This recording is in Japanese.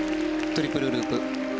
トリプルループ。